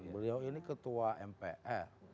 beliau ini ketua mpr